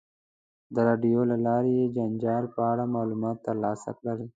د راډیو له لارې یې د جنجال په اړه معلومات ترلاسه کړل.